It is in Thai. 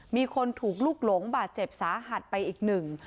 มีคนถูกลุกหลงบาดเจ็บสาหัสไปอีกหนึ่ง